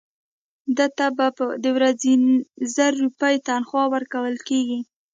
ده ته به د ورځې زر روپۍ تنخوا ورکول کېږي.